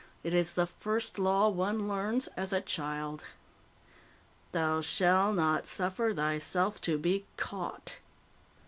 It is the first law one learns as a child. _Thou shall not suffer thyself to be caught.